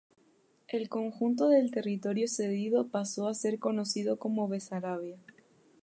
El conjunto del territorio cedido pasó a ser conocido como Besarabia.